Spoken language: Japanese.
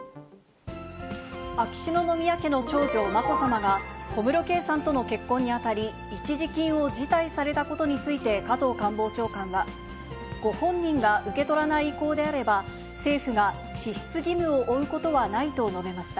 秋篠宮家の長女、まこさまが、小室圭さんとの結婚にあたり一時金を辞退されたことについて加藤官房長官は、ご本人が受け取らない意向であれば、政府が支出義務を負うことはないと述べました。